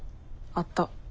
あった。